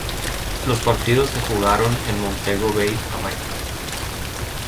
Los partidos se jugaron en Montego Bay, Jamaica.